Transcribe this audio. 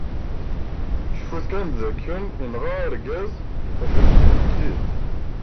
Cfut kan d akken, inɣa argaz acku snedhent-id.